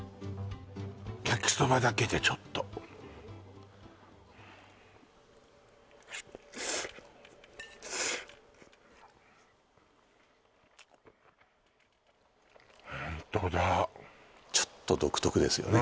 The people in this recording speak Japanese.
焼きそばだけでちょっとホントだちょっと独特ですよね